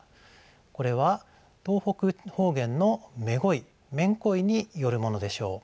これは東北方言の「めごい」「めんこい」によるものでしょう。